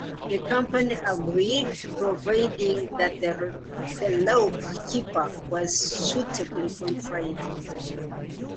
The company agreed, providing that the lock keeper was suitably qualified.